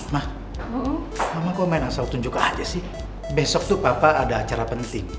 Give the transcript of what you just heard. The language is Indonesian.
mama mama kok main asal tunjuk aja sih besok tuh papa ada acara penting